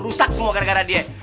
rusak semua gara gara dia